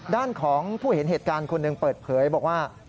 ด้านของผู้เห็นเหตุการณ์คนหนึ่งเปิดเผยบอกว่า